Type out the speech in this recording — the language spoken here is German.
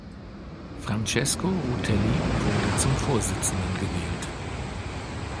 Francesco Rutelli wurde zum Vorsitzenden gewählt.